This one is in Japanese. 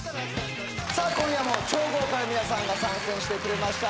さあ今夜も超豪華な皆さんが参戦してくれました